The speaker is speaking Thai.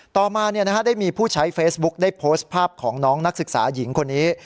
ต่อมาได้มีผู้ใช้เฟซบุ๊คได้โพสต์ภาพของน้องนักศึกษาหญิงคนนี้